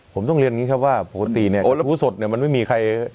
ผมต้องเรียนอย่างนี้ครับว่าปกติเนี่ยหูสดเนี่ยมันไม่มีใคร